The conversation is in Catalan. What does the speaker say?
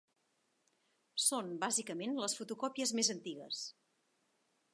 Són, bàsicament, les fotocòpies més antigues.